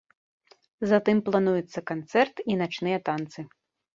Затым плануецца канцэрт і начныя танцы.